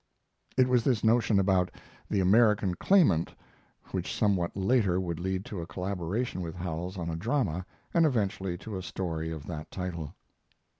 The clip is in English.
It was this notion about 'The American Claimant' which somewhat later would lead to a collaboration with Howells on a drama, and eventually to a story of that title.